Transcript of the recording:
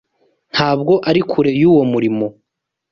Ntabwo ari kure yuwo murimo.